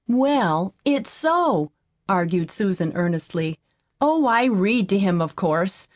"Well, it's so," argued Susan earnestly. "Oh, I read to him, of course.